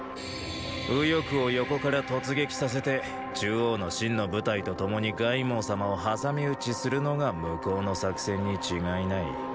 右翼を横から突撃させて中央の信の部隊と共に凱孟様を挟み撃ちするのが向こうの作戦に違いない。